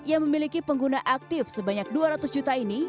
yang memiliki pengguna aktif sebanyak dua ratus juta ini